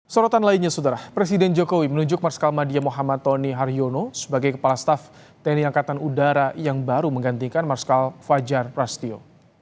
sorotan lainnya sudah presiden jokowi menunjuk marskal madia muhammad tony haryono sebagai kepala staf tni angkatan udara yang baru menggantikan marskal fajar prasetyo